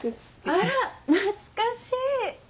あら懐かしい！